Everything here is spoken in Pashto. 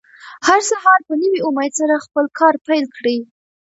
هر سهار په نوي امېد سره خپل کار پیل کړئ.